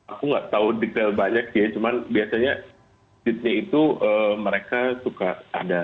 aku nggak tahu detail banyak ya cuman biasanya seatnya itu mereka suka ada